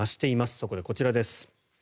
そこでこちらです。